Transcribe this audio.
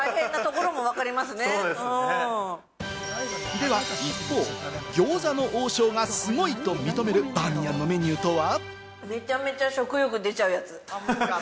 では、一方、餃子の王将がすごいと認めるバーミヤンのメニューとは？